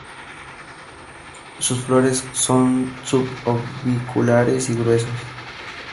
Sus flores son sub orbiculares y gruesos.